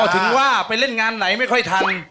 ถึงว่าไปเล่นงานไหนไม่ค่อยทัน